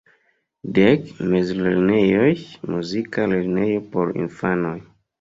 Dek mezlernejoj, muzika lernejo por infanoj.